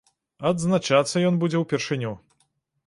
Адзначацца ён будзе ўпершыню.